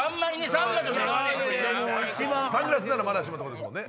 サングラスならまだしもですもんね